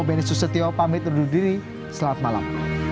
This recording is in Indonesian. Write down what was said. benistus setio pamit undur diri selamat malam